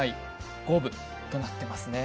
五分となっていますね。